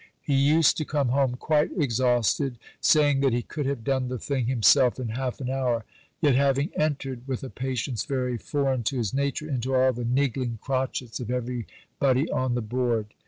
He used to come home quite exhausted, saying that he could have done the thing himself in half an hour; yet having entered, with a patience very foreign, to his nature, into all the niggling crotchets of everybody on the Board.